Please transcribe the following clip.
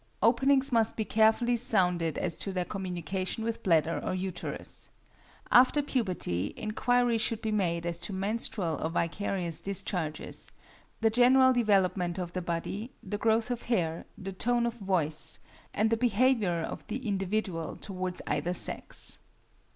Openings must be carefully sounded as to their communication with bladder or uterus. After puberty, inquiry should be made as to menstrual or vicarious discharges, the general development of the body, the growth of hair, the tone of voice, and the behaviour of the individual towards either sex.